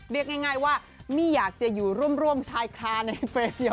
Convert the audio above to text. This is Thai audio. เรียกง่ายว่าไม่อยากจะอยู่ร่วมชายคาในเฟสเดียว